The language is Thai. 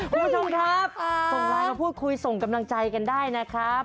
คุณผู้ชมครับส่งไลน์มาพูดคุยส่งกำลังใจกันได้นะครับ